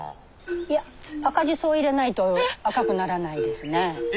いや赤じそを入れないと赤くならないですねえ。